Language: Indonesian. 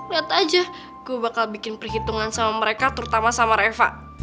lihat aja gue bakal bikin perhitungan sama mereka terutama sama reva